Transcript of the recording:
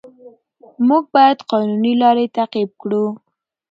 موږ باید قانوني لارې تعقیب کړو